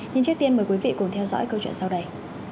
nhưng trước tiên mời quý vị cùng theo dõi câu chuyện sau đây